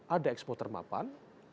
ada ekspor termapan